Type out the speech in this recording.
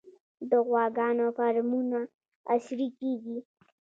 د غواګانو فارمونه عصري کیږي